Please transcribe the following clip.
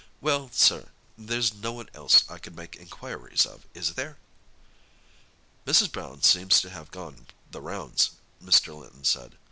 "Well, sir, there's no one else I could make inquiries of, is there?" "Mrs. Brown seems to have gone the rounds," Mr. Linton said.